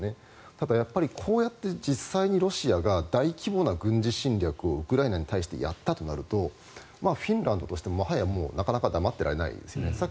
ただ、やっぱりこうやって実際にロシアが大規模な軍事侵略をウクライナに対してやったとなるとフィンランドとしてももはや、なかなか黙ってられないですよね。